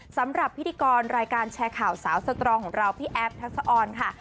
สำหรับพิธีกรรายการแชร์ข่าวสาวสตรองของเราพี่แอฟทักษะออนค่ะ